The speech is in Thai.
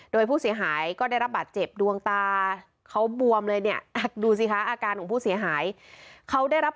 โดยผู้เสียหายก็ได้รับบัตรเจ็บดวงตา